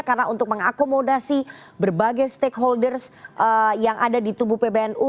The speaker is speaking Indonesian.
karena untuk mengakomodasi berbagai stakeholder yang ada di tubuh pbnu